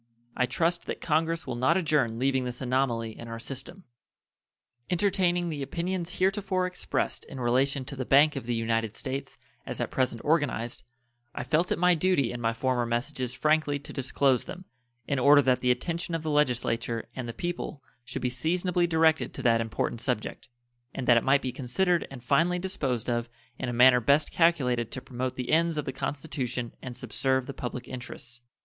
I trust that Congress will not adjourn leaving this anomaly in our system. Entertaining the opinions heretofore expressed in relation to the Bank of the United States as at present organized, I felt it my duty in my former messages frankly to disclose them, in order that the attention of the Legislature and the people should be seasonably directed to that important subject, and that it might be considered and finally disposed of in a manner best calculated to promote the ends of the Constitution and subserve the public interests.